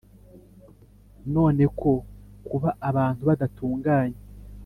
Nanone ko kuba abantu badatunganye